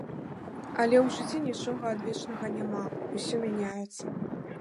Але ў жыцці нічога адвечнага няма, усё мяняецца.